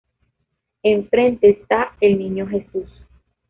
Enfrente está el Niño Jesús.